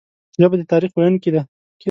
ژبه د تاریخ ویونکي ده